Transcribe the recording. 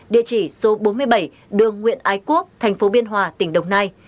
địa chỉ số bốn mươi bảy đường nguyện ái quốc tp biên hòa tỉnh đồng nai